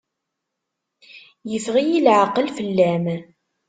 Yeffeɣ-iyi leɛqel fell-am.